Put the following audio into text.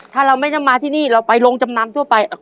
ถ้าเราไม่จะมาที่นี่แล้วไปโรงจำน้ำทั่วไป